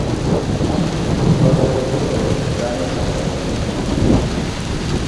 Gode ok rom dhano to romo